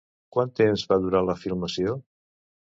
Quant temps va durar la filmació?